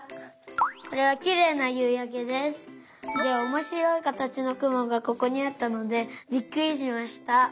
これはきれいなゆうやけです。でおもしろいかたちのくもがここにあったのでびっくりしました。